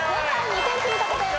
２点積み立てです。